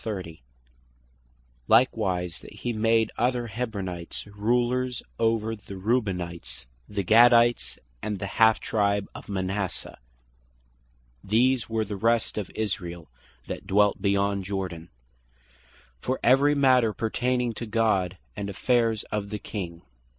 that hee made other Hebronites, "rulers over the Reubenites, the Gadites, and the halfe tribe of Manasseh" (these were the rest of Israel that dwelt beyond Jordan) "for every matter pertaining to God, and affairs of the King."